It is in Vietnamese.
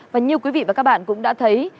và như quý vị và các bạn cũng đã thấy